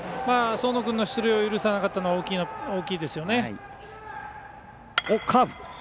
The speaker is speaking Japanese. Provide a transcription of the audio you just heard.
僧野君の出塁を許さなかったのは大きいですよね。